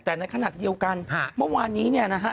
แต่ในขณะเดียวกันเมื่อวานนี้เนี่ยนะฮะ